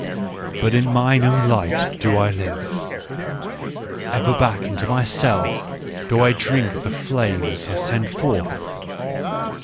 " But in mine own light do I live, ever back into myself do I drink the flames I send forth.